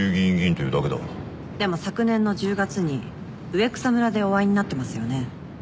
でも昨年の１０月に上草村でお会いになってますよね？